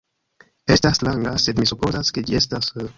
Estas stranga, sed mi supozas ke ĝi estas...